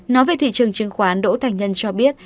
nói về thị trường chứng khoán đỗ thành nhân cho biết